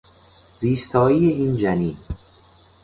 زیستایی این جنین